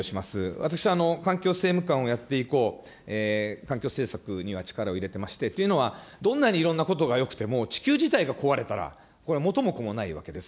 私は環境政務官をやって以降、環境政策には力を入れてまして、というのは、どんなにいろんなことがよくても地球自体が壊れたらこれは元も子もないわけです。